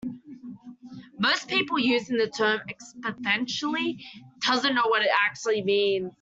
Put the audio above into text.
Most people using the term "exponentially" don't know what it actually means.